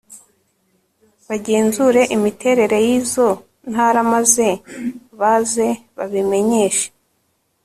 bagenzure imiterere y'izo ntara maze baze babimenyeshe